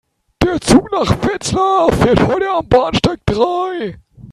Der Zug nach Wetzlar fährt heute am Bahnsteig drei